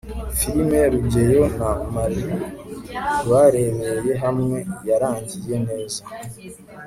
filime rugeyo na mary barebeye hamwe yarangiye neza